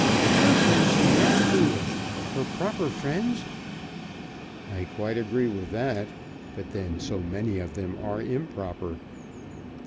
"Her friends are not foolish, her proper friends." "I quite agree with that; but then so many of them are improper."